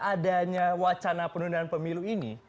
adanya wacana penundaan pemilu ini